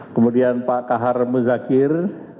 kemudian pak kahar muzakir